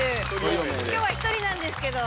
今日は１人なんですけど。